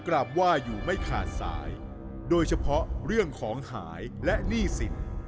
ครับมาขอมาอะไรแล้วได้ไหม